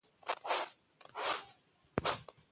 د ماشوم پوټکی ډیر نازک دی۔